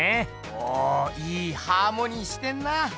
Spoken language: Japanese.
おおいいハーモニーしてんな！